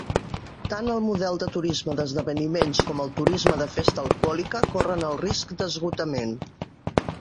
Tant el model de turisme d'esdeveniments com el turisme de festa alcohòlica corren el risc d'esgotament.